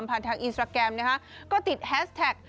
ผ่านทางอินสตราแกรมก็ติดแฮสแท็ก